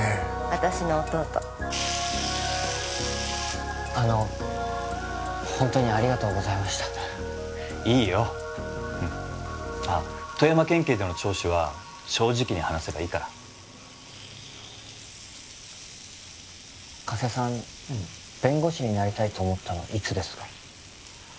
私の弟あのホントにありがとうございましたいいよあっ富山県警での聴取は正直に話せばいいから加瀬さんうん弁護士になりたいと思ったのいつですか？